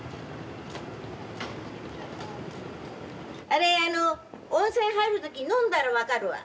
あれあの温泉入る時飲んだら分かるわ。